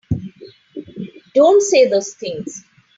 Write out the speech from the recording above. Don't say those things!